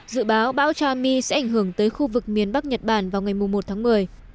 dự báo bão chami sẽ ảnh hưởng tới khu vực miền bắc nhật bản vào ngày một tháng một mươi